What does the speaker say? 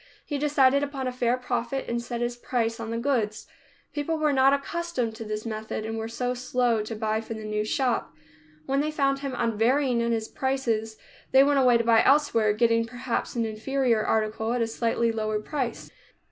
He decided upon a fair profit, and set his price on the goods. People were not accustomed to this method and so were slow to buy from the new shop. When they found him unvarying in his prices, they went away to buy elsewhere, getting, perhaps, an inferior article at a slightly lower price.